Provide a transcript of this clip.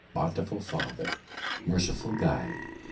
bountiful Father! merciful Guide!